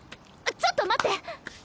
ちょっと待って。